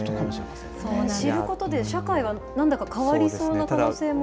知ることで、社会は、なんだか変わりそうな可能性も見えますね。